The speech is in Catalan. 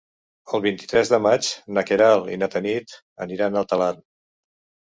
El vint-i-tres de maig na Queralt i na Tanit aniran a Talarn.